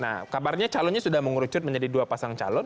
nah kabarnya calonnya sudah mengerucut menjadi dua pasang calon